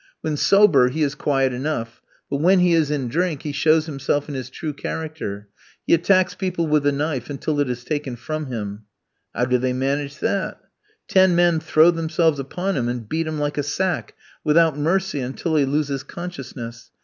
When sober, he is quiet enough, but when he is in drink he shows himself in his true character. He attacks people with the knife until it is taken from him." "How do they manage that?" "Ten men throw themselves upon him and beat him like a sack without mercy until he loses consciousness.